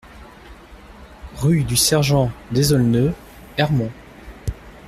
Rue du Sergent Désolneux, Ermont